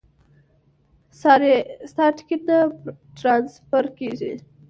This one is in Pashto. ساري ستا ټیکټ نه ټرانسفر کېږي.